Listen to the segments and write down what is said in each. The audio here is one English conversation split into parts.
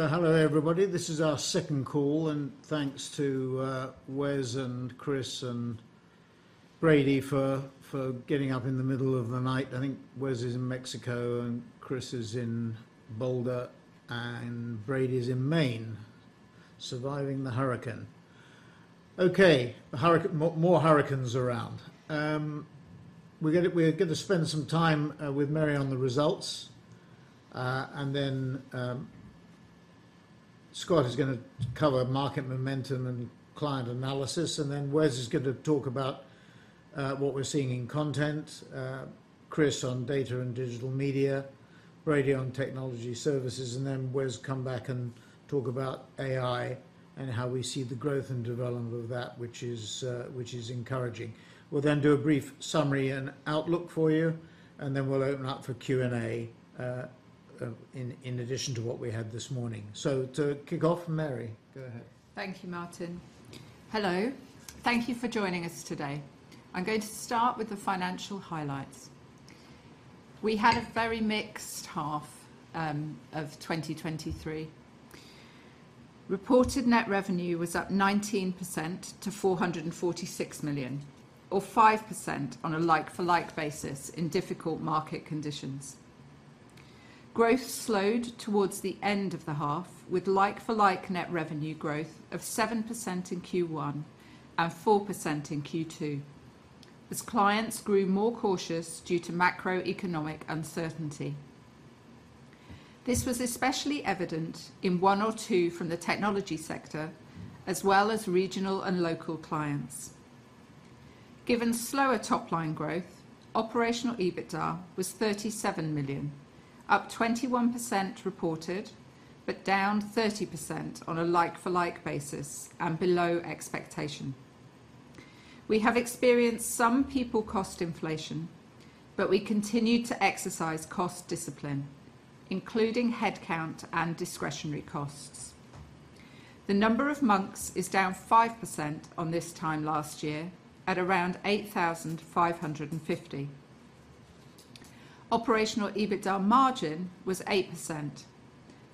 Hello there, everybody. This is our second call, and thanks to Wes and Chris and Brady for getting up in the middle of the night. I think Wes is in Mexico, and Chris is in Boulder, and Brady is in Maine, surviving the hurricane. Okay, the hurricane, more hurricanes around. We're gonna spend some time with Mary on the results. And then Scott is gonna cover market momentum and client analysis, and then Wes is going to talk about what we're seeing in content, Chris on data and digital media, Brady on technology services, and then Wes come back and talk about AI and how we see the growth and development of that, which is encouraging. We'll then do a brief summary and outlook for you, and then we'll open up for Q&A, in addition to what we had this morning. To kick off, Mary, go ahead. Thank you, Martin. Hello. Thank you for joining us today. I'm going to start with the financial highlights. We had a very mixed half of 2023. Reported net revenue was up 19% to 446 million, or 5% on a like-for-like basis in difficult market conditions. Growth slowed towards the end of the half, with like-for-like net revenue growth of 7% in Q1 and 4% in Q2, as clients grew more cautious due to macroeconomic uncertainty. This was especially evident in one or two from the technology sector, as well as regional and local clients. Given slower top-line growth, operational EBITDA was 37 million, up 21% reported, but down 30% on a like-for-like basis and below expectation. We have experienced some people cost inflation, but we continued to exercise cost discipline, including headcount and discretionary costs. The number of monks is down 5% on this time last year, at around 8,550. Operational EBITDA margin was 8%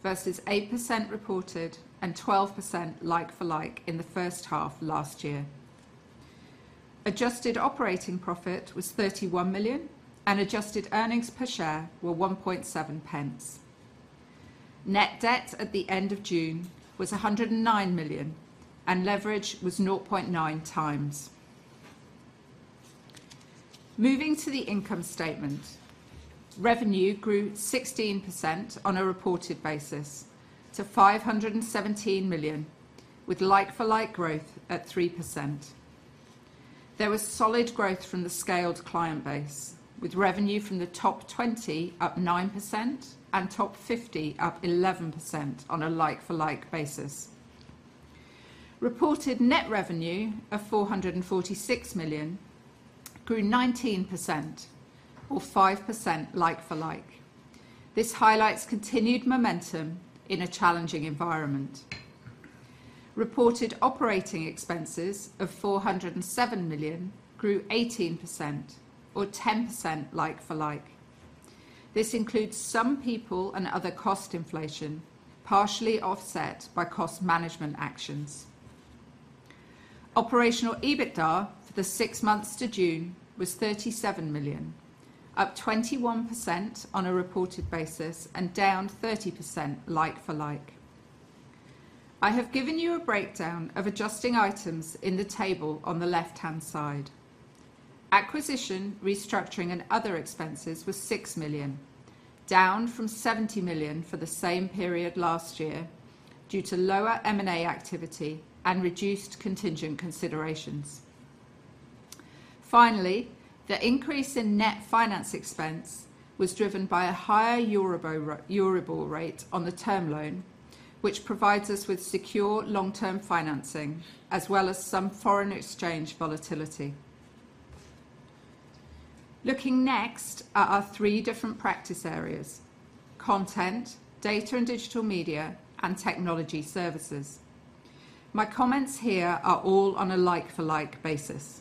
versus 8% reported and 12% like-for-like in the first half last year. Adjusted operating profit was 31 million, and adjusted earnings per share were 1.7 pence. Net debt at the end of June was 109 million, and leverage was 0.9 times. Moving to the income statement. Revenue grew 16% on a reported basis to 517 million, with like-for-like growth at 3%. There was solid growth from the scaled client base, with revenue from the top 20 up 9% and top 50 up 11% on a like-for-like basis. Reported net revenue of 446 million grew 19%, or 5% like for like. This highlights continued momentum in a challenging environment. Reported operating expenses of 407 million grew 18% or 10% like-for-like. This includes some people and other cost inflation, partially offset by cost management actions. Operational EBITDA for the six months to June was 37 million, up 21% on a reported basis and down 30% like-for-like. I have given you a breakdown of adjusting items in the table on the left-hand side. Acquisition, restructuring, and other expenses were 6 million, down from 70 million for the same period last year, due to lower M&A activity and reduced contingent considerations. Finally, the increase in net finance expense was driven by a higher Euribor rate on the term loan, which provides us with secure long-term financing as well as some foreign exchange volatility. Looking next at our three different practice areas: Content, Data and Digital Media, and Technology Services. My comments here are all on a like-for-like basis.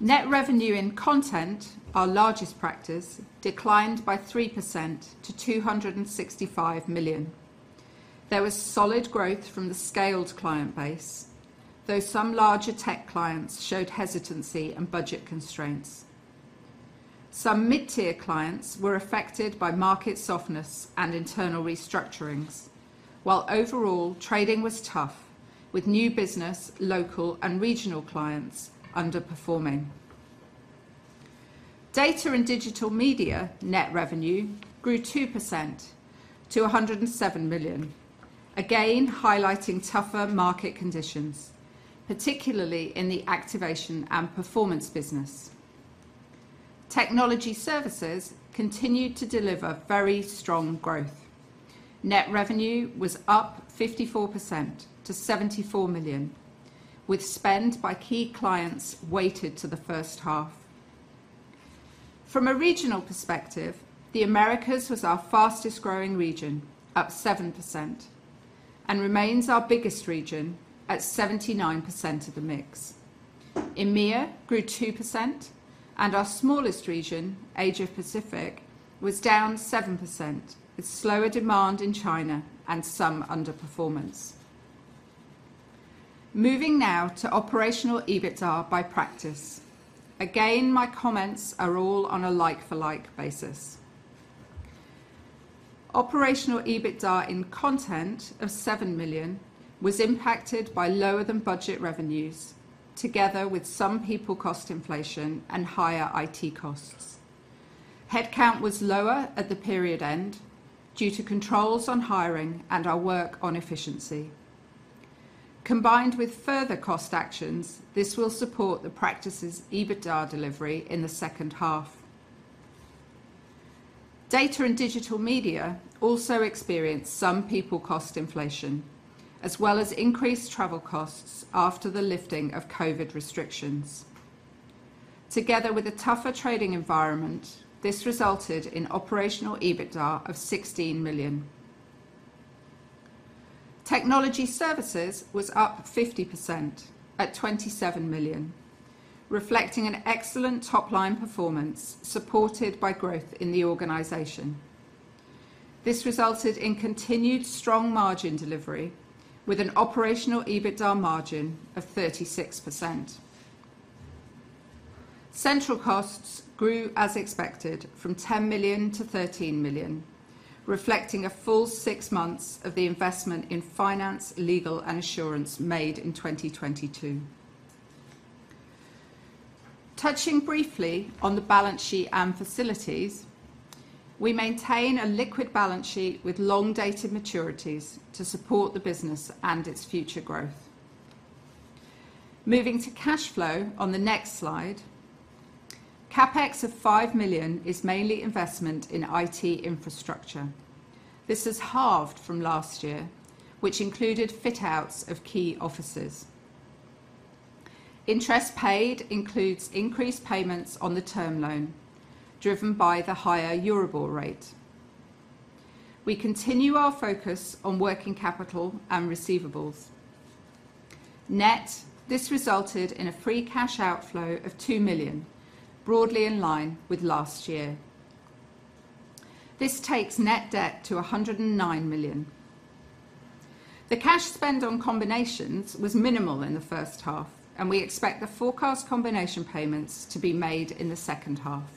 Net revenue in Content, our largest practice, declined by 3% to 265 million. There was solid growth from the scaled client base, though some larger tech clients showed hesitancy and budget constraints. Some mid-tier clients were affected by market softness and internal restructurings, while overall trading was tough, with new business, local and regional clients underperforming. Data and Digital Media net revenue grew 2% to 107 million, again highlighting tougher market conditions, particularly in the activation and performance business. Technology Services continued to deliver very strong growth. Net revenue was up 54% to 74 million, with spend by key clients weighted to the first half. From a regional perspective, the Americas was our fastest-growing region, up 7%... and remains our biggest region at 79% of the mix. EMEA grew 2%, and our smallest region, Asia Pacific, was down 7%, with slower demand in China and some underperformance. Moving now to operational EBITDA by practice. Again, my comments are all on a like-for-like basis. Operational EBITDA in Content of 7 million was impacted by lower-than-budget revenues, together with some people cost inflation and higher IT costs. Headcount was lower at the period end due to controls on hiring and our work on efficiency. Combined with further cost actions, this will support the practice's EBITDA delivery in the second half. Data and Digital Media also experienced some people cost inflation, as well as increased travel costs after the lifting of COVID restrictions. Together with a tougher trading environment, this resulted in operational EBITDA of 16 million. Technology Services was up 50% at 27 million, reflecting an excellent top-line performance, supported by growth in the organization. This resulted in continued strong margin delivery with an operational EBITDA margin of 36%. Central costs grew as expected from 10 million to 13 million, reflecting a full six months of the investment in finance, legal, and assurance made in 2022. Touching briefly on the balance sheet and facilities, we maintain a liquid balance sheet with long dated maturities to support the business and its future growth. Moving to cash flow on the next slide. CapEx of 5 million is mainly investment in IT infrastructure. This is halved from last year, which included fit-outs of key offices. Interest paid includes increased payments on the term loan, driven by the higher Euribor rate. We continue our focus on working capital and receivables. Net, this resulted in a free cash outflow of 2 million, broadly in line with last year. This takes net debt to 109 million. The cash spend on combinations was minimal in the first half, and we expect the forecast combination payments to be made in the second half.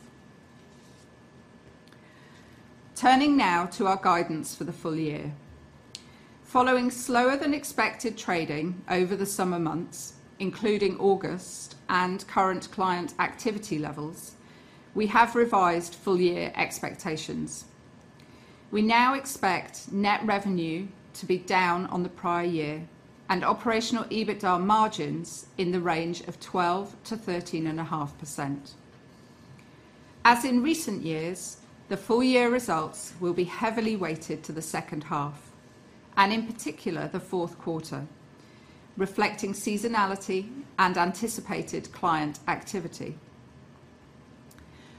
Turning now to our guidance for the full year. Following slower-than-expected trading over the summer months, including August and current client activity levels, we have revised full year expectations. We now expect net revenue to be down on the prior year and operational EBITDA margins in the range of 12%-13.5%. As in recent years, the full year results will be heavily weighted to the second half, and in particular, the fourth quarter, reflecting seasonality and anticipated client activity.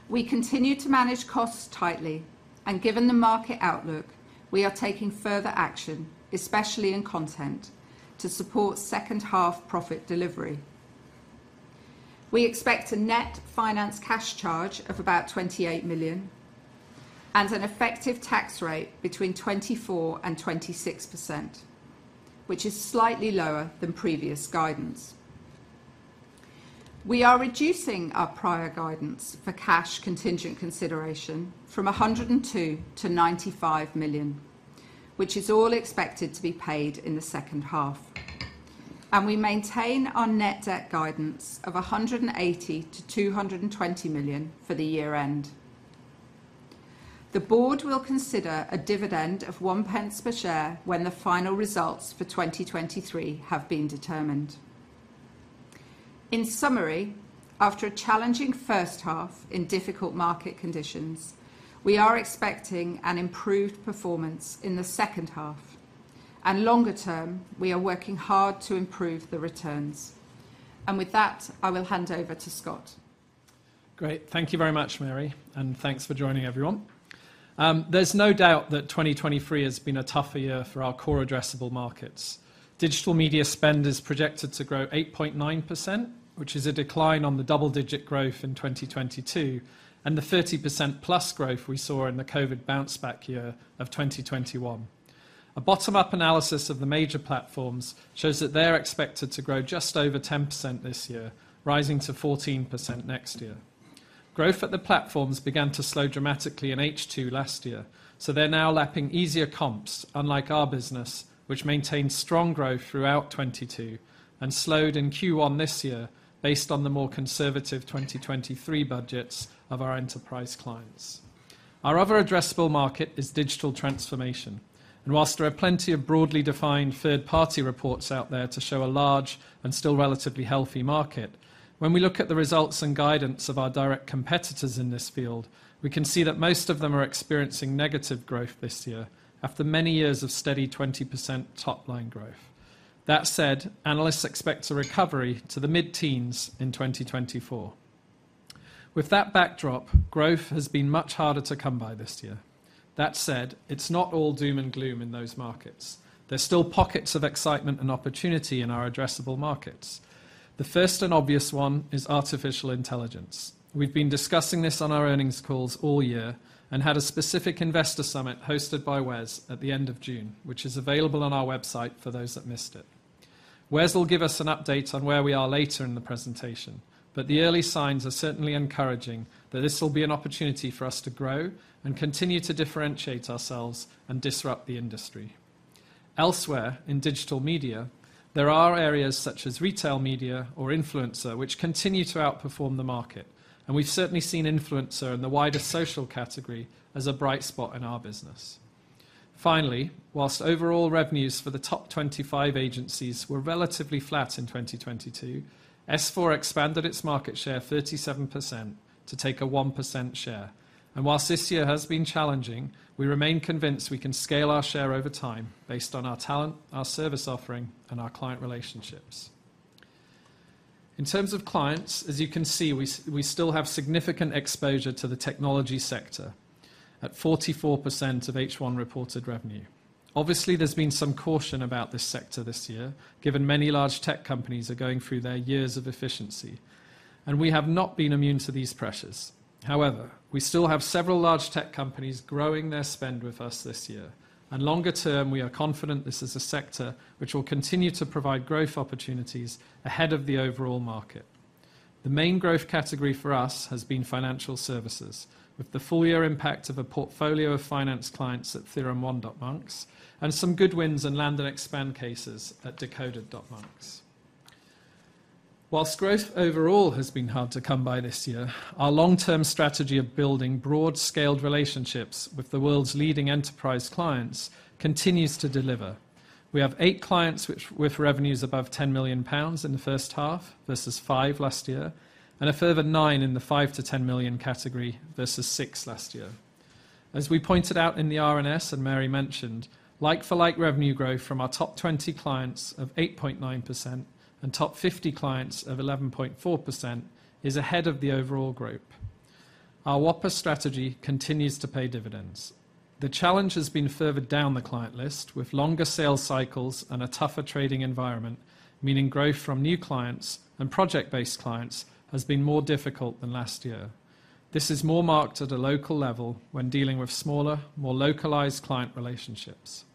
We continue to manage costs tightly, and given the market outlook, we are taking further action, especially in Content, to support second half profit delivery. We expect a net finance cash charge of about 28 million and an effective tax rate between 24%-26%, which is slightly lower than previous guidance. We are reducing our prior guidance for cash contingent consideration from 102 million to 95 million, which is all expected to be paid in the second half, and we maintain our net debt guidance of 180-220 million for the year end. The board will consider a dividend of 1 pence per share when the final results for 2023 have been determined. In summary, after a challenging first half in difficult market conditions, we are expecting an improved performance in the second half, and longer term, we are working hard to improve the returns. With that, I will hand over to Scott. Great. Thank you very much, Mary, and thanks for joining, everyone. There's no doubt that 2023 has been a tougher year for our core addressable markets. Digital media spend is projected to grow 8.9%, which is a decline on the double-digit growth in 2022, and the 30%+ growth we saw in the COVID bounce back year of 2021. A bottom-up analysis of the major platforms shows that they're expected to grow just over 10% this year, rising to 14% next year. Growth at the platforms began to slow dramatically in H2 last year, so they're now lapping easier comps, unlike our business, which maintained strong growth throughout 2022 and slowed in Q1 this year based on the more conservative 2023 budgets of our enterprise clients. Our other addressable market is digital transformation, and while there are plenty of broadly defined third-party reports out there to show a large and still relatively healthy market, when we look at the results and guidance of our direct competitors in this field, we can see that most of them are experiencing negative growth this year after many years of steady 20% top-line growth. That said, analysts expect a recovery to the mid-teens in 2024.... With that backdrop, growth has been much harder to come by this year. That said, it's not all doom and gloom in those markets. There's still pockets of excitement and opportunity in our addressable markets. The first and obvious one is artificial intelligence. We've been discussing this on our earnings calls all year, and had a specific investor summit hosted by Wes at the end of June, which is available on our website for those that missed it. Wes will give us an update on where we are later in the presentation, but the early signs are certainly encouraging, that this will be an opportunity for us to grow and continue to differentiate ourselves and disrupt the industry. Elsewhere, in digital media, there are areas such as retail media or influencer, which continue to outperform the market, and we've certainly seen influencer and the wider social category as a bright spot in our business. Finally, while overall revenues for the top 25 agencies were relatively flat in 2022, S4 expanded its market share 37% to take a 1% share. While this year has been challenging, we remain convinced we can scale our share over time based on our talent, our service offering and our client relationships. In terms of clients, as you can see, we still have significant exposure to the technology sector at 44% of H1 reported revenue. Obviously, there's been some caution about this sector this year, given many large tech companies are going through their years of efficiency, and we have not been immune to these pressures. However, we still have several large tech companies growing their spend with us this year, and longer term, we are confident this is a sector which will continue to provide growth opportunities ahead of the overall market. The main growth category for us has been financial services, with the full year impact of a portfolio of finance clients at TheoremOne, Monks, and some good wins and land and expand cases at Decoded, Monks. While growth overall has been hard to come by this year, our long-term strategy of building broad-scaled relationships with the world's leading enterprise clients continues to deliver. We have eight clients which with revenues above 10 million pounds in the first half versus five last year, and a further nine in the 5 million-10 million category versus six last year. As we pointed out in the RNS, and Mary mentioned, like-for-like revenue growth from our top 20 clients of 8.9% and top 50 clients of 11.4% is ahead of the overall group. Our Whopper strategy continues to pay dividends. The challenge has been further down the client list, with longer sales cycles and a tougher trading environment, meaning growth from new clients and project-based clients has been more difficult than last year. This is more marked at a local level when dealing with smaller, more localized client relationships.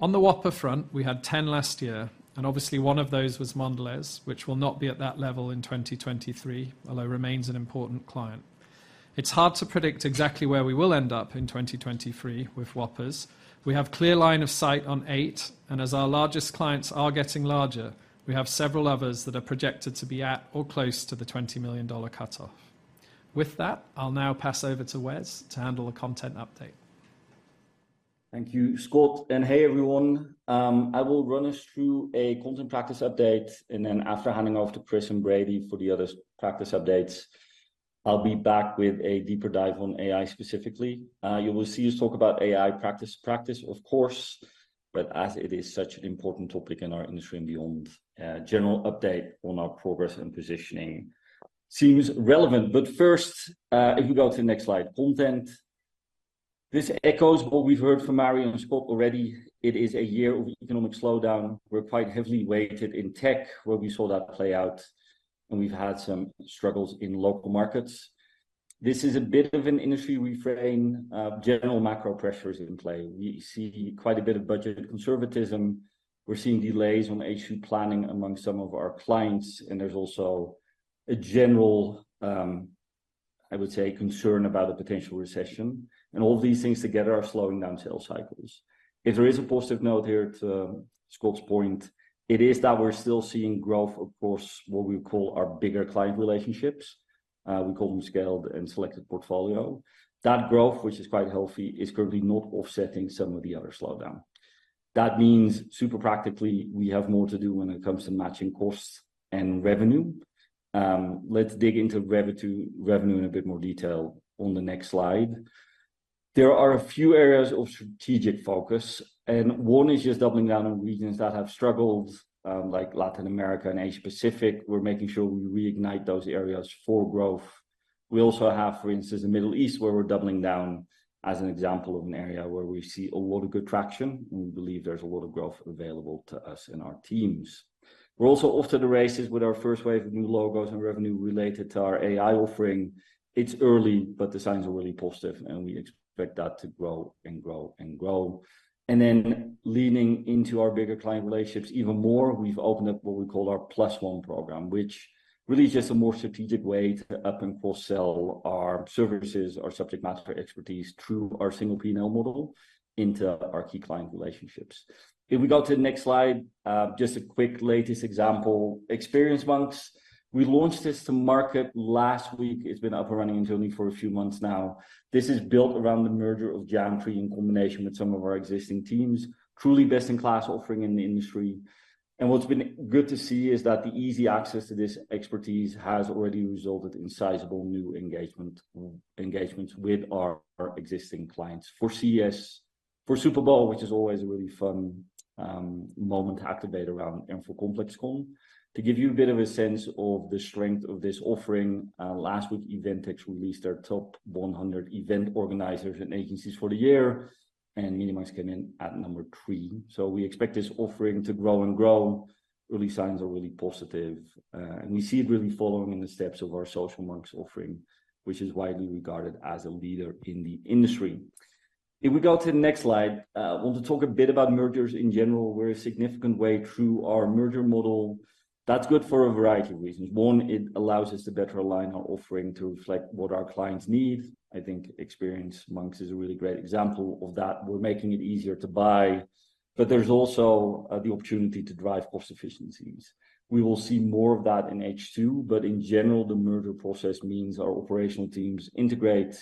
On the Whopper front, we had 10 last year, and obviously one of those was Mondelez, which will not be at that level in 2023, although remains an important client. It's hard to predict exactly where we will end up in 2023 with Whoppers. We have clear line of sight on eight, and as our largest clients are getting larger, we have several others that are projected to be at or close to the $20 million cutoff. With that, I'll now pass over to Wes to handle the content update. Thank you, Scott, and hey, everyone. I will run us through a content practice update, and then after handing off to Chris and Brady for the other practice updates, I'll be back with a deeper dive on AI specifically. You will see us talk about AI practice, practice of course, but as it is such an important topic in our industry and beyond, a general update on our progress and positioning seems relevant. But first, if you go to the next slide, content. This echoes what we've heard from Mary and Scott already. It is a year of economic slowdown. We're quite heavily weighted in tech, where we saw that play out, and we've had some struggles in local markets. This is a bit of an industry refrain, general macro pressures in play. We see quite a bit of budget conservatism. We're seeing delays on H2 planning among some of our clients, and there's also a general, I would say, concern about a potential recession, and all these things together are slowing down sales cycles. If there is a positive note here to, Scott's point, it is that we're still seeing growth across what we call our bigger client relationships. We call them scaled and selected portfolio. That growth, which is quite healthy, is currently not offsetting some of the other slowdown. That means, super practically, we have more to do when it comes to matching costs and revenue. Let's dig into revenue in a bit more detail on the next slide. There are a few areas of strategic focus, and one is just doubling down on regions that have struggled, like Latin America and Asia Pacific. We're making sure we reignite those areas for growth. We also have, for instance, the Middle East, where we're doubling down as an example of an area where we see a lot of good traction, and we believe there's a lot of growth available to us and our teams. We're also off to the races with our first wave of new logos and revenue related to our AI offering. It's early, but the signs are really positive, and we expect that to grow and grow and grow. And then leaning into our bigger client relationships even more, we've opened up what we call our Plus One Program, which really is just a more strategic way to up and cross-sell our services, our subject matter expertise, through our single P&L model into our key client relationships. If we go to the next slide, just a quick latest example, Experience Monks. We launched this to market last week. It's been up and running only for a few months now. This is built around the merger of Jam3 in combination with some of our existing teams, truly best-in-class offering in the industry. What's been good to see is that the easy access to this expertise has already resulted in sizable new engagement, engagements with our existing clients. For Super Bowl, which is always a really fun moment to activate around InfoComm. To give you a bit of a sense of the strength of this offering, last week, Eventex released their top 100 event organizers and agencies for the year, and Media.Monks came in at number three. We expect this offering to grow and grow. Early signs are really positive, and we see it really following in the steps of our Social Monks offering, which is widely regarded as a leader in the industry. If we go to the next slide, I want to talk a bit about mergers in general. We're a significant way through our merger model. That's good for a variety of reasons. One, it allows us to better align our offering to reflect what our clients need. I think Experience Monks is a really great example of that. We're making it easier to buy, but there's also the opportunity to drive cost efficiencies. We will see more of that in H2, but in general, the merger process means our operational teams integrate,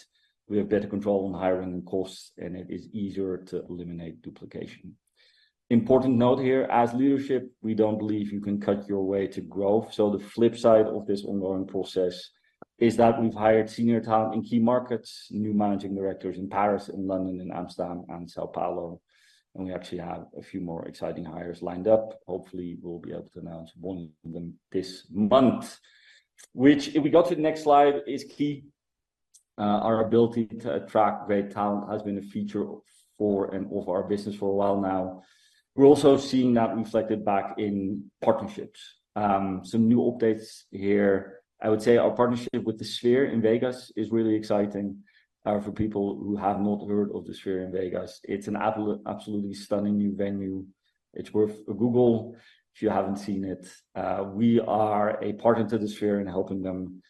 we have better control on hiring and costs, and it is easier to eliminate duplication. Important note here, as leadership, we don't believe you can cut your way to growth, so the flip side of this ongoing process is that we've hired senior talent in key markets, new managing directors in Paris, and London, and Amsterdam, and São Paulo, and we actually have a few more exciting hires lined up. Hopefully, we'll be able to announce one of them this month, which, if we go to the next slide, is key. Our ability to attract great talent has been a feature for and of our business for a while now. We're also seeing that reflected back in partnerships. Some new updates here. I would say our partnership with the Sphere in Vegas is really exciting. For people who have not heard of the Sphere in Vegas, it's an absolutely stunning new venue. It's worth a Google if you haven't seen it. We are a partner to the Sphere in helping them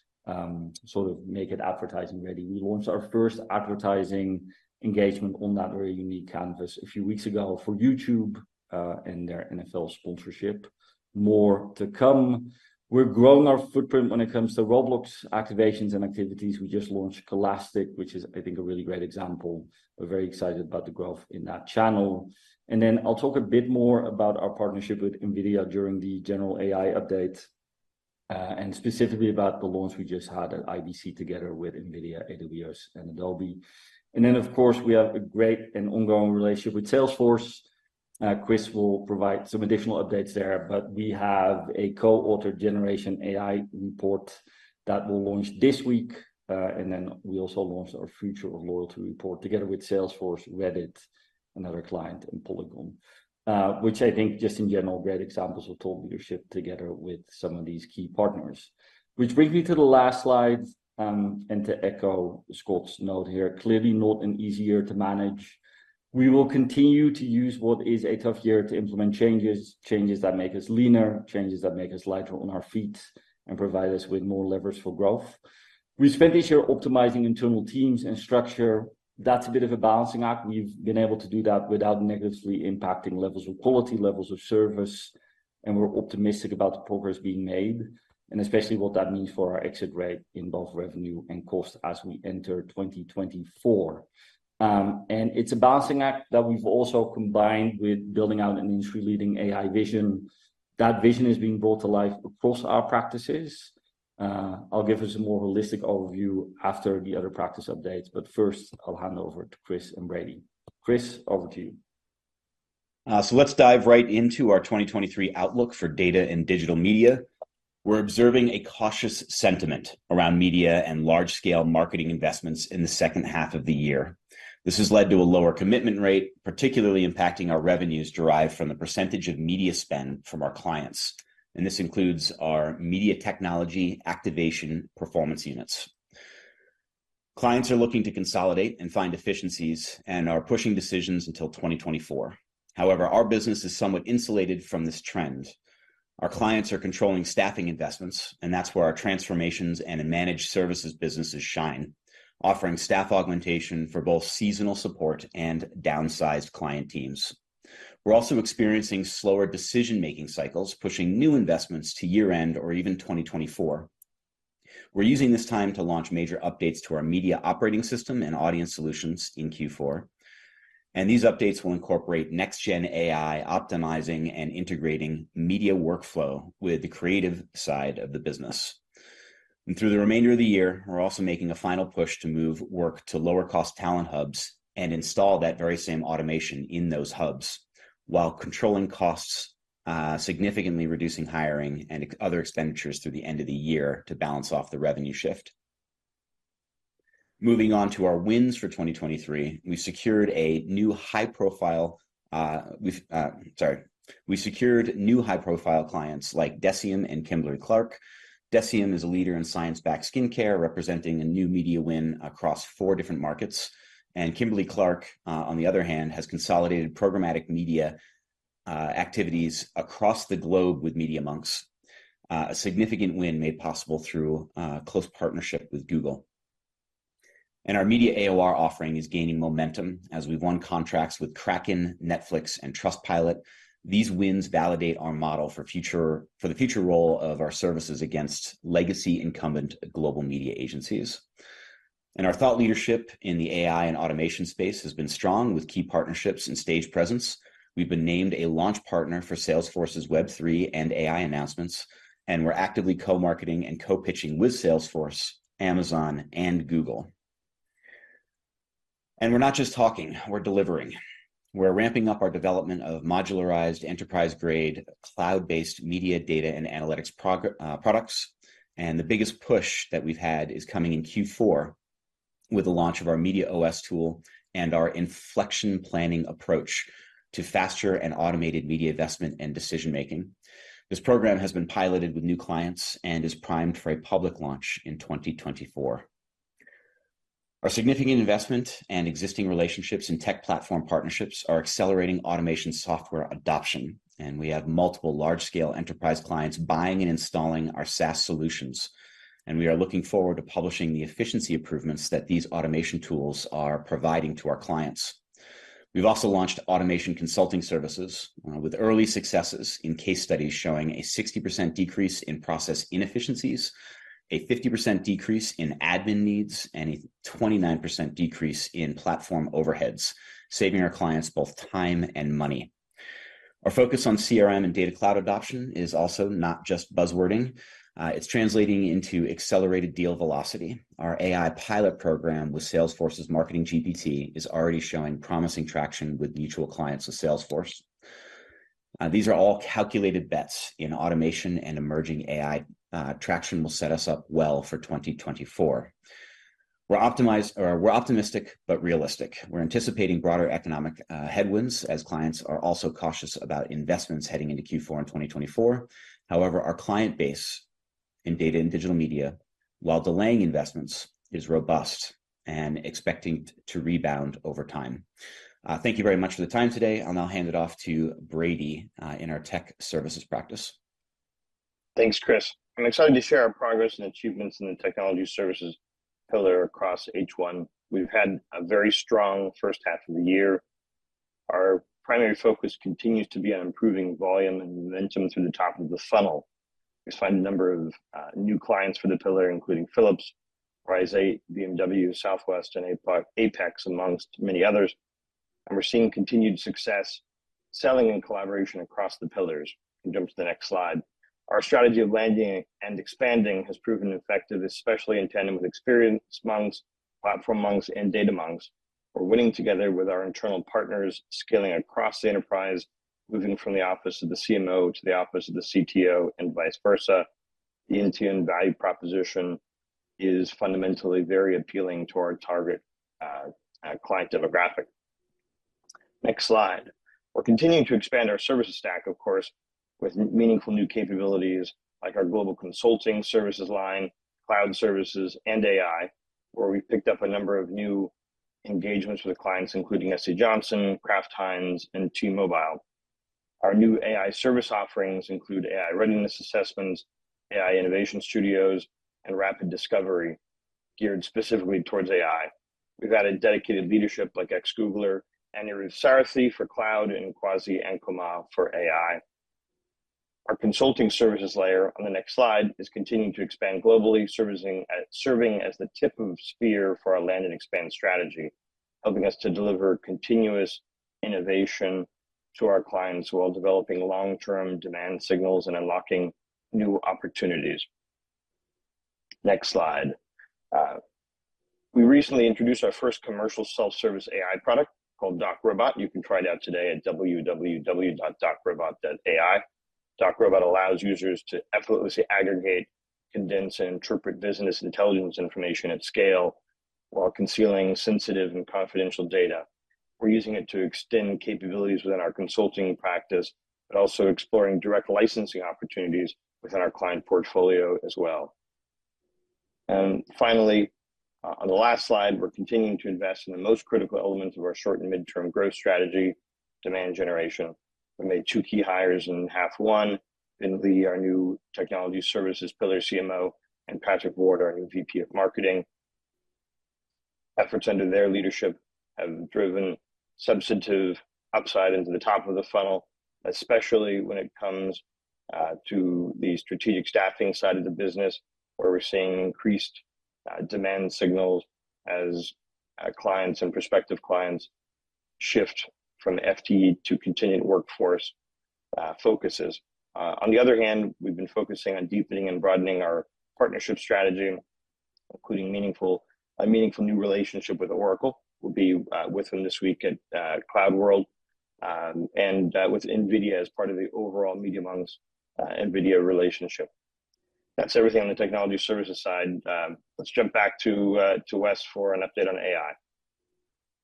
sort of make it advertising ready. We launched our first advertising engagement on that very unique canvas a few weeks ago for YouTube and their NFL sponsorship. More to come. We're growing our footprint when it comes to Roblox activations and activities. We just launched Scholastic, which is, I think, a really great example. We're very excited about the growth in that channel. And then I'll talk a bit more about our partnership with NVIDIA during the general AI update and specifically about the launch we just had at IBC together with NVIDIA, AWS, and Adobe. And then, of course, we have a great and ongoing relationship with Salesforce. Chris will provide some additional updates there, but we have a co-authored Generation AI report that will launch this week. And then we also launched our Future of Loyalty report together with Salesforce, Reddit, another client, and Polygon. Which I think just in general, great examples of thought leadership together with some of these key partners. Which brings me to the last slide, and to echo Scott's note here, clearly not an easy year to manage. We will continue to use what is a tough year to implement changes, changes that make us leaner, changes that make us lighter on our feet, and provide us with more leverage for growth. We spent this year optimizing internal teams and structure. That's a bit of a balancing act, and we've been able to do that without negatively impacting levels of quality, levels of service, and we're optimistic about the progress being made, and especially what that means for our exit rate in both revenue and cost as we enter 2024. And it's a balancing act that we've also combined with building out an industry-leading AI vision. That vision is being brought to life across our practices. I'll give us a more holistic overview after the other practice updates, but first, I'll hand over to Chris and Brady. Chris, over to you. So let's dive right into our 2023 outlook for Data & Digital Media. We're observing a cautious sentiment around media and large-scale marketing investments in the second half of the year. This has led to a lower commitment rate, particularly impacting our revenues derived from the percentage of media spend from our clients, and this includes our media technology, activation, performance units. Clients are looking to consolidate and find efficiencies and are pushing decisions until 2024. However, our business is somewhat insulated from this trend. Our clients are controlling staffing investments, and that's where our transformations and managed services businesses shine, offering staff augmentation for both seasonal support and downsized client teams. We're also experiencing slower decision-making cycles, pushing new investments to year-end or even 2024. We're using this time to launch major updates to our media operating system and audience solutions in Q4, and these updates will incorporate next gen AI, optimizing and integrating media workflow with the creative side of the business. Through the remainder of the year, we're also making a final push to move work to lower-cost talent hubs and install that very same automation in those hubs, while controlling costs, significantly reducing hiring and other expenditures through the end of the year to balance off the revenue shift. Moving on to our wins for 2023, we secured new high-profile clients like DECIEM and Kimberly-Clark. DECIEM is a leader in science-backed skincare, representing a new media win across 4 different markets. Kimberly-Clark, on the other hand, has consolidated programmatic media activities across the globe with Media.Monks. A significant win made possible through close partnership with Google. Our media AOR offering is gaining momentum as we've won contracts with Kraken, Netflix, and Trustpilot. These wins validate our model for the future role of our services against legacy incumbent global media agencies. Our thought leadership in the AI and automation space has been strong, with key partnerships and stage presence. We've been named a launch partner for Salesforce's Web3 and AI announcements, and we're actively co-marketing and co-pitching with Salesforce, Amazon, and Google. And we're not just talking, we're delivering. We're ramping up our development of modularized enterprise-grade, cloud-based media data and analytics products. The biggest push that we've had is coming in Q4 with the launch of our Media OS tool and our inflection planning approach to faster and automated media investment and decision-making. This program has been piloted with new clients and is primed for a public launch in 2024. Our significant investment and existing relationships in tech platform partnerships are accelerating automation software adoption, and we have multiple large-scale enterprise clients buying and installing our SaaS solutions. We are looking forward to publishing the efficiency improvements that these automation tools are providing to our clients. We've also launched automation consulting services, with early successes in case studies showing a 60% decrease in process inefficiencies, a 50% decrease in admin needs, and a 29% decrease in platform overheads, saving our clients both time and money. Our focus on CRM and Data Cloud adoption is also not just buzzwording. It's translating into accelerated deal velocity. Our AI pilot program with Salesforce's Marketing GPT is already showing promising traction with mutual clients of Salesforce. These are all calculated bets in automation and emerging AI. Traction will set us up well for 2024. We're optimistic but realistic. We're anticipating broader economic headwinds, as clients are also cautious about investments heading into Q4 in 2024. However, our client base in Data and Digital Media, while delaying investments, is robust and expecting to rebound over time. Thank you very much for the time today. I'll now hand it off to Brady in our Technology Services practice. Thanks, Chris. I'm excited to share our progress and achievements in the technology services pillar across H1. We've had a very strong first half of the year. Our primary focus continues to be on improving volume and momentum through the top of the funnel. We've signed a number of new clients for the pillar, including Philips, Rise8, BMW, Southwest, and Apex, amongst many others. We're seeing continued success selling and collaboration across the pillars. You can jump to the next slide. Our strategy of landing and expanding has proven effective, especially in tandem with Experience Monks, Platform Monks, and Data Monks. We're winning together with our internal partners, scaling across the enterprise, moving from the office of the CMO to the office of the CTO, and vice versa. The end-to-end value proposition is fundamentally very appealing to our target client demographic. Next slide. We're continuing to expand our services stack, of course, with meaningful new capabilities, like our global consulting services line, cloud services, and AI, where we picked up a number of new engagements with clients, including SC Johnson, Kraft Heinz, and T-Mobile. Our new AI service offerings include AI readiness assessments, AI innovation studios, and rapid discovery geared specifically towards AI. We've added dedicated leadership like ex-Googler, Anirudh Sarathy, for cloud, and Kwasi Ankoma for AI. Our consulting services layer, on the next slide, is continuing to expand globally, serving as the tip of spear for our land and expand strategy, helping us to deliver continuous innovation to our clients, while developing long-term demand signals and unlocking new opportunities. Next slide. We recently introduced our first commercial self-service AI product called DocRobot. You can try it out today at www.docrobot.ai. DocRobot allows users to effortlessly aggregate, condense, and interpret business intelligence information at scale, while concealing sensitive and confidential data. We're using it to extend capabilities within our consulting practice, but also exploring direct licensing opportunities within our client portfolio as well. And finally, on the last slide, we're continuing to invest in the most critical elements of our short- and mid-term growth strategy: demand generation. We made two key hires in half one, Vinnie Lee, our new Technology Services pillar CMO, and Patrick Ward, our new VP of marketing. Efforts under their leadership have driven substantive upside into the top of the funnel, especially when it comes to the strategic staffing side of the business, where we're seeing increased demand signals as clients and prospective clients shift from FTE to continued workforce focuses. On the other hand, we've been focusing on deepening and broadening our partnership strategy, including a meaningful new relationship with Oracle. We'll be with them this week at CloudWorld, and with NVIDIA as part of the overall Media.Monks NVIDIA relationship. That's everything on the Technology Services side. Let's jump back to Wes for an update on AI.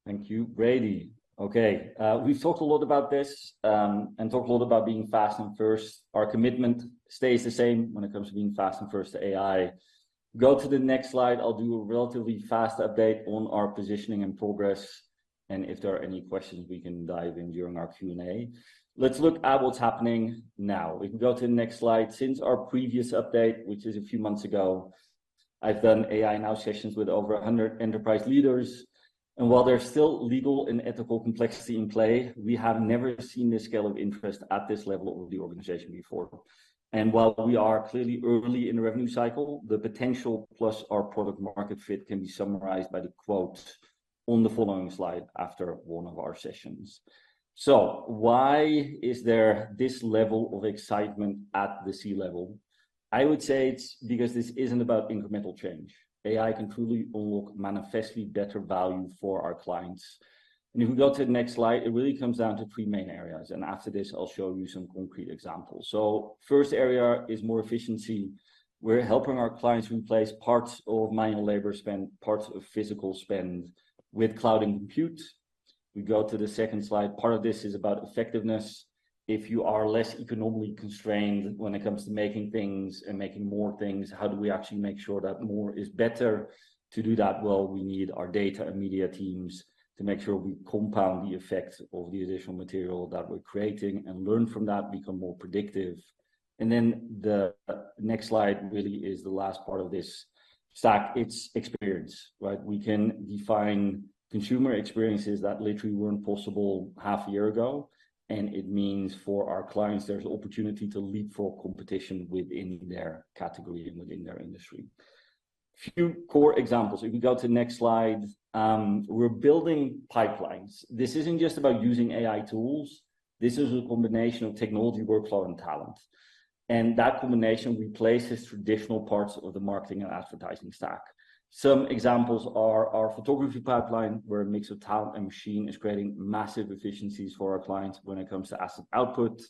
Thank you, Brady. Okay, we've talked a lot about this, and talked a lot about being fast and first. Our commitment stays the same when it comes to being fast and first to AI. Go to the next slide. I'll do a relatively fast update on our positioning and progress, and if there are any questions, we can dive in during our Q&A. Let's look at what's happening now. We can go to the next slide. Since our previous update, which is a few months ago- I've done AI now sessions with over 100 enterprise leaders, and while there's still legal and ethical complexity in play, we have never seen this scale of interest at this level of the organization before. While we are clearly early in the revenue cycle, the potential plus our product-market fit can be summarized by the quote on the following slide after one of our sessions. Why is there this level of excitement at the C-level? I would say it's because this isn't about incremental change. AI can truly unlock manifestly better value for our clients. If we go to the next slide, it really comes down to three main areas, and after this, I'll show you some concrete examples. First area is more efficiency. We're helping our clients replace parts of manual labor spend, parts of physical spend with cloud and compute. We go to the second slide. Part of this is about effectiveness. If you are less economically constrained when it comes to making things and making more things, how do we actually make sure that more is better? To do that, well, we need our data and media teams to make sure we compound the effects of the additional material that we're creating and learn from that, become more predictive. And then the next slide really is the last part of this stack. It's experience, right? We can define consumer experiences that literally weren't possible half a year ago, and it means for our clients, there's opportunity to leapfrog competition within their category and within their industry. A few core examples. If we go to the next slide, we're building pipelines. This isn't just about using AI tools. This is a combination of technology, workflow, and talent, and that combination replaces traditional parts of the marketing and advertising stack. Some examples are our photography pipeline, where a mix of talent and machine is creating massive efficiencies for our clients when it comes to asset output.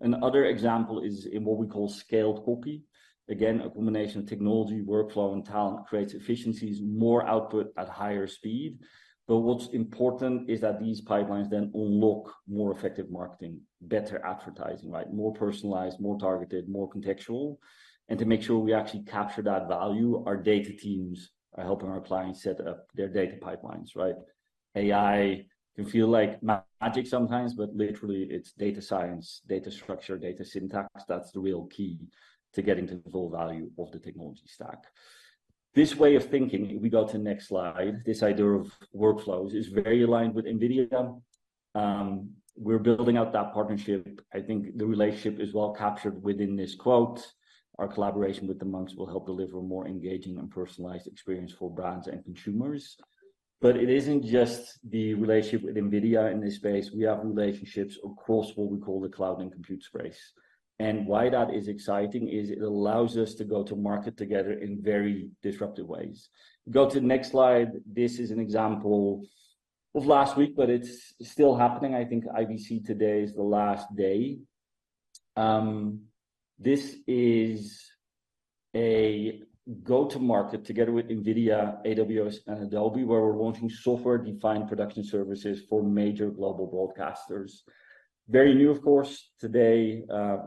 Another example is in what we call scaled copy. Again, a combination of technology, workflow, and talent creates efficiencies, more output at higher speed. But what's important is that these pipelines then unlock more effective marketing, better advertising, right? More personalized, more targeted, more contextual. And to make sure we actually capture that value, our data teams are helping our clients set up their data pipelines, right? AI can feel like magic sometimes, but literally, it's data science, data structure, data syntax. That's the real key to getting to the full value of the technology stack. This way of thinking, if we go to the next slide, this idea of workflows is very aligned with NVIDIA. We're building out that partnership. I think the relationship is well captured within this quote. "Our collaboration with the Monks will help deliver a more engaging and personalized experience for brands and consumers." But it isn't just the relationship with NVIDIA in this space. We have relationships across what we call the cloud and compute space. And why that is exciting is it allows us to go to market together in very disruptive ways. Go to the next slide. This is an example of last week, but it's still happening. I think IBC today is the last day. This is a go-to-market together with NVIDIA, AWS, and Adobe, where we're launching software-defined production services for major global broadcasters. Very new, of course. Today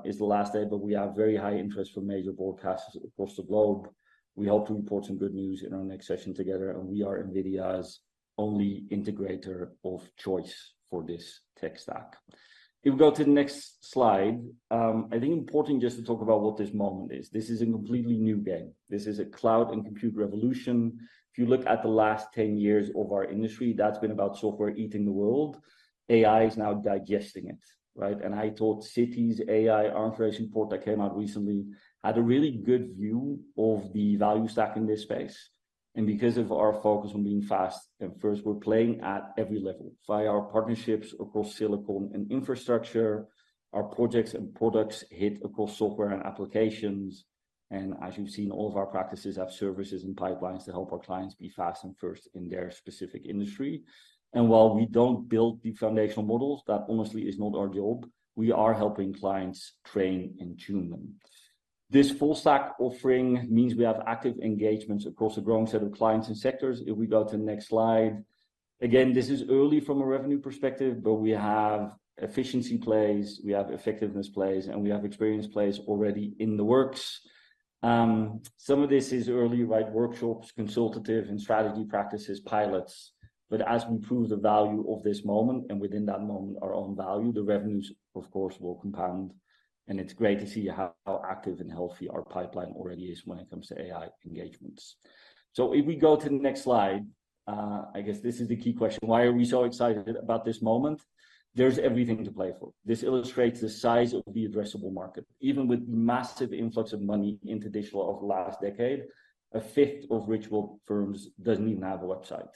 is the last day, but we have very high interest from major broadcasters across the globe. We hope to report some good news in our next session together, and we are NVIDIA's only integrator of choice for this tech stack. If we go to the next slide, I think important just to talk about what this moment is. This is a completely new game. This is a cloud and compute revolution. If you look at the last 10 years of our industry, that's been about software eating the world. AI is now digesting it, right? And I thought Citi's AI Arm Race report that came out recently had a really good view of the value stack in this space. And because of our focus on being fast and first, we're playing at every level. Via our partnerships across silicon and infrastructure, our projects and products hit across software and applications, and as you've seen, all of our practices have services and pipelines to help our clients be fast and first in their specific industry. And while we don't build the foundational models, that honestly is not our job, we are helping clients train and tune them. This full stack offering means we have active engagements across a growing set of clients and sectors. If we go to the next slide, again, this is early from a revenue perspective, but we have efficiency plays, we have effectiveness plays, and we have experience plays already in the works. Some of this is early, right? Workshops, consultative and strategy practices, pilots. But as we improve the value of this moment, and within that moment, our own value, the revenues, of course, will compound. It's great to see how active and healthy our pipeline already is when it comes to AI engagements. If we go to the next slide, I guess this is the key question: Why are we so excited about this moment? There's everything to play for. This illustrates the size of the addressable market. Even with the massive influx of money in traditional over the last decade, a fifth of retail firms doesn't even have a website.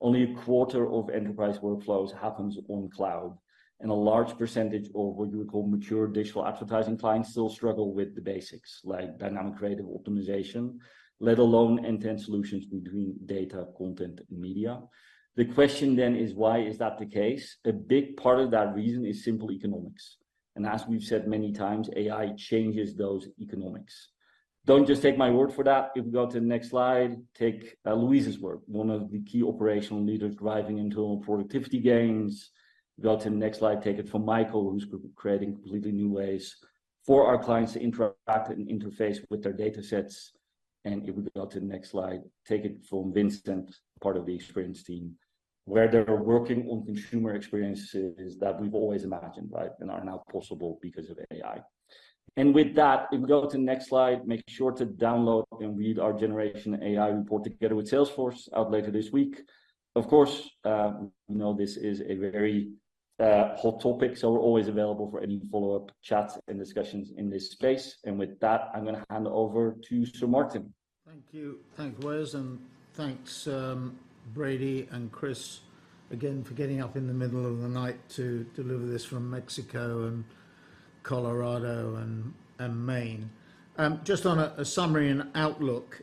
Only a quarter of enterprise workflows happens on cloud, and a large percentage of what you would call mature digital advertising clients still struggle with the basics, like dynamic creative optimization, let alone end-to-end solutions between data, content, and media. The question then is, why is that the case? A big part of that reason is simple economics, and as we've said many times, AI changes those economics. Don't just take my word for that. If you go to the next slide, take Louise's word, one of the key operational leaders driving into productivity gains. Go to the next slide, take it from Michael, who's creating completely new ways for our clients to interact and interface with their datasets. And if we go to the next slide, take it from Vincent, part of the Experience team, where they're working on consumer experiences that we've always imagined, right, and are now possible because of AI. And with that, if we go to the next slide, make sure to download and read our Generation AI Report together with Salesforce out later this week. Of course, we know this is a very hot topic, so we're always available for any follow-up chats and discussions in this space. And with that, I'm gonna hand over to Sir Martin. Thank you. Thanks, Wes, and thanks, Brady and Chris, again, for getting up in the middle of the night to deliver this from Mexico and Colorado and Maine. Just on a summary and outlook,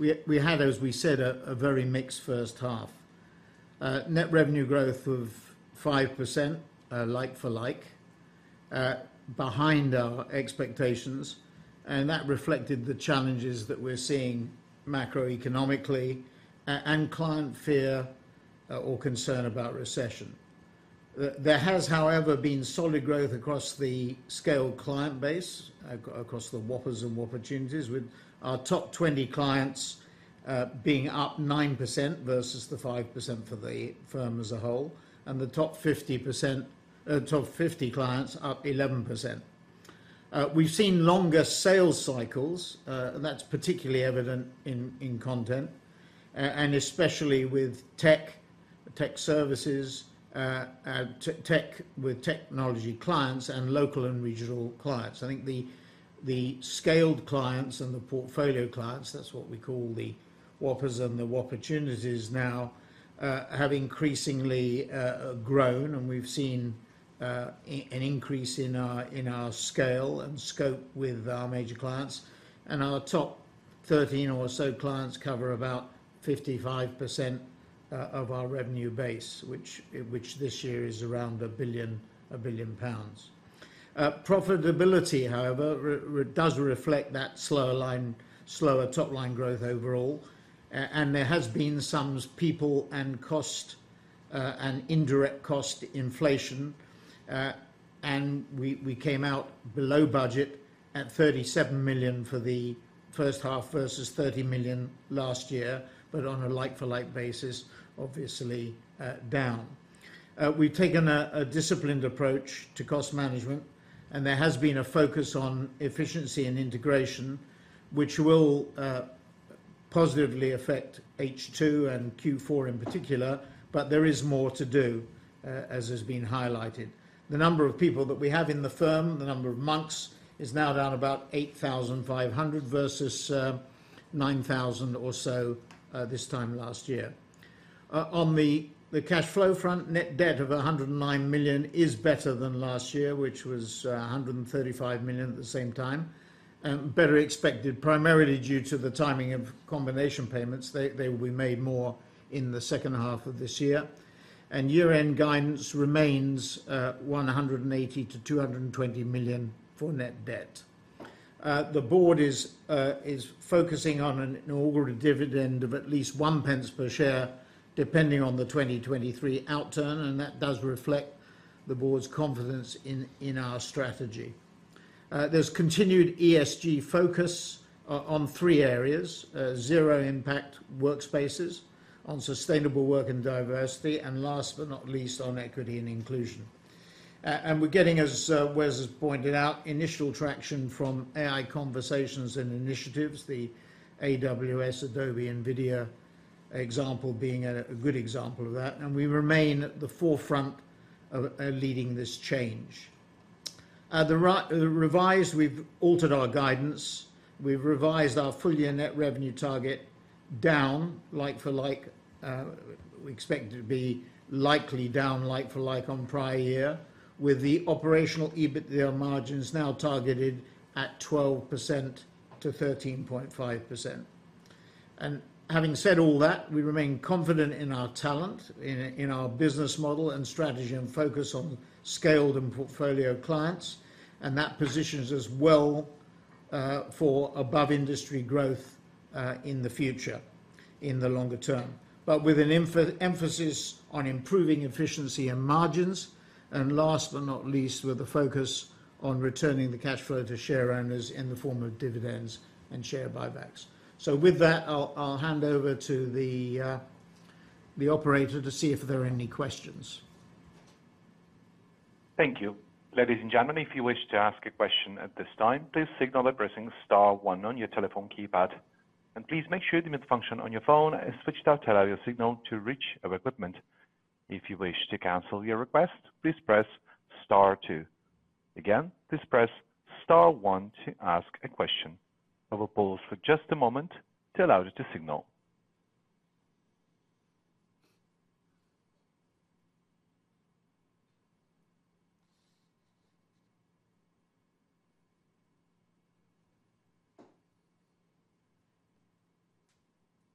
we had, as we said, a very mixed first half. Net revenue growth of 5%, like-for-like, behind our expectations, and that reflected the challenges that we're seeing macroeconomically and client fear, or concern about recession. There has, however, been solid growth across the scaled client base, across the Whoppers and Whopportunities, with our top 20 clients being up 9% versus the 5% for the firm as a whole, and the top 50%, top 50 clients up 11%. We've seen longer sales cycles, and that's particularly evident in content, and especially with tech services, tech with technology clients and local and regional clients. I think the scaled clients and the portfolio clients, that's what we call the Whoppers and the Whopportunities now, have increasingly grown, and we've seen an increase in our scale and scope with our major clients. And our top 13 or so clients cover about 55% of our revenue base, which this year is around 1 billion pounds. Profitability, however, does reflect that slower line, slower top-line growth overall, and there has been some people and cost, and indirect cost inflation. And we came out below budget at 37 million for the first half versus 30 million last year, but on a like-for-like basis, obviously, down. We've taken a disciplined approach to cost management, and there has been a focus on efficiency and integration, which will positively affect H2 and Q4 in particular, but there is more to do, as has been highlighted. The number of people that we have in the firm, the number of monks, is now down about 8,500 versus 9,000 or so this time last year. On the cash flow front, net debt of 109 million is better than last year, which was 135 million at the same time, and better expected, primarily due to the timing of combination payments. They will be made more in the second half of this year, and year-end guidance remains 180-220 million for net debt. The board is focusing on an ordinary dividend of at least 1 pence per share, depending on the 2023 outturn, and that does reflect the board's confidence in our strategy. There's continued ESG focus on three areas: zero impact workspaces, on sustainable work and diversity, and last but not least, on equity and inclusion. And we're getting, as Wes has pointed out, initial traction from AI conversations and initiatives, the AWS, Adobe, NVIDIA example being a good example of that, and we remain at the forefront of leading this change. The revised, we've altered our guidance. We've revised our full-year net revenue target down, like-for-like. We expect it to be likely down, like-for-like on prior year, with the operational EBITDA margins now targeted at 12%-13.5%. Having said all that, we remain confident in our talent, in our business model and strategy, and focus on scaled and portfolio clients, and that positions us well for above-industry growth in the future, in the longer term. But with an emphasis on improving efficiency and margins, and last but not least, with a focus on returning the cash flow to shareowners in the form of dividends and share buybacks. So with that, I'll hand over to the operator to see if there are any questions. Thank you. Ladies and gentlemen, if you wish to ask a question at this time, please signal by pressing star one on your telephone keypad, and please make sure the mute function on your phone is switched off to allow your signal to reach our equipment. If you wish to cancel your request, please press star two. Again, please press star one to ask a question. I will pause for just a moment to allow you to signal.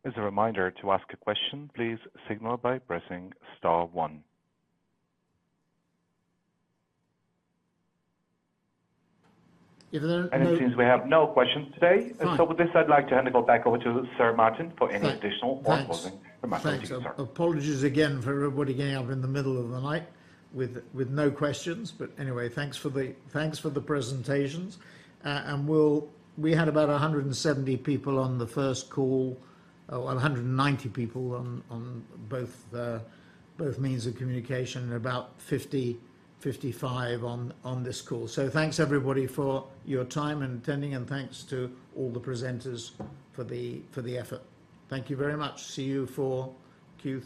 As a reminder, to ask a question, please signal by pressing star one. Is there no- It seems we have no questions today. Fine. And so with this, I'd like to hand it back over to Sir Martin- Good... for any additional remarks and- Thanks... thanks, sir. Apologies again for everybody getting up in the middle of the night with no questions, but anyway, thanks for the presentations. We had about 170 people on the first call, 190 people on both means of communication, and about 50-55 on this call. So thanks, everybody, for your time in attending, and thanks to all the presenters for the effort. Thank you very much. See you for Q4.